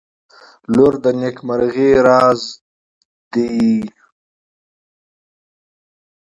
• لور د نیکمرغۍ راز دی.